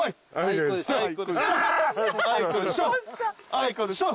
あいこでしょ。